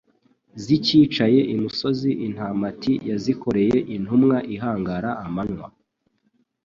Zicyicaye imusozi Intamati yazitoreye Intumwa ihangara amanywa